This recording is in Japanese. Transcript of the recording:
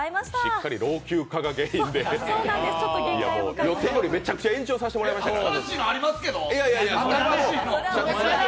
しっかり老朽化が原因で予定よりめちゃくちゃ延長させてもらいましたからね。